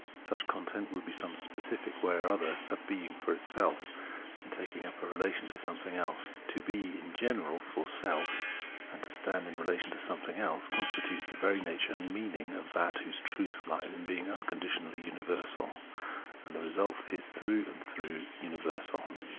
Such a content would be some specific way or other of being for itself and taking up a relation to some thing else. But to be in general for self and to stand in relation to something else constitutes the very nature and meaning of that whose truth lies in being unconditionally universal ; and the result is through and through universal.